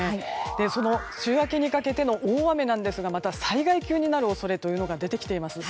その週明けにかけての大雨なんですがまた災害級になる恐れが出てきています。